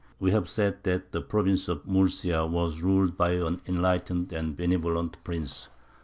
We have said that the province of Murcia was ruled by an enlightened and benevolent prince.